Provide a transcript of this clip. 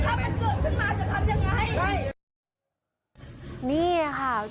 ถ้ามันเกิดขึ้นมาจะทำอย่างไร